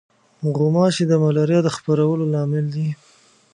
غوماشې د ملاریا د خپرولو لامل دي.